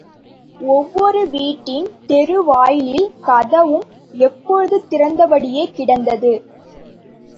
ஒவ்வொரு வீட்டின் தெரு வாயில் கதவும் எப்போதுத் திறந்தபடியே கிடந்தது.